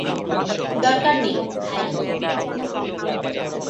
দরকার নেই, ভাই।